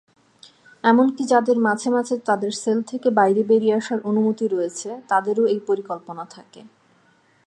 এমনকি যাদের মাঝে মাঝে তাদের সেল থেকে বাইরে বেরিয়ে আসার অনুমতি রয়েছে তাদেরও এই পরিকল্পনা থাকে।